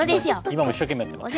今も一生懸命やってます。